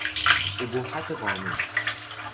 ابهت قانون